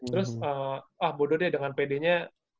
terus ah bodoh deh dengan pede nya